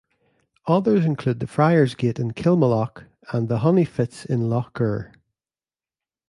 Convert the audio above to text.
Others include the Friar's Gate in Kilmallock and the Honey Fitz in Lough Gur.